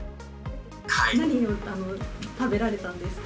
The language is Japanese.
何を食べられたんですか？